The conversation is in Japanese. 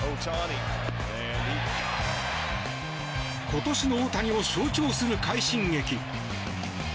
今年の大谷を象徴する快進撃。